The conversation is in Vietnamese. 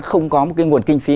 không có một cái nguồn kinh phí